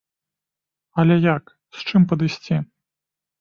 Але як, з чым падысці?